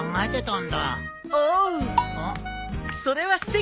ん？